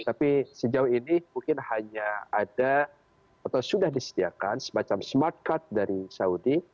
tapi sejauh ini mungkin hanya ada atau sudah disediakan semacam smart card dari saudi